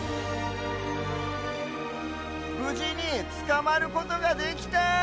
ぶじにつかまることができた。